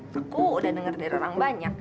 aku udah denger dari orang banyak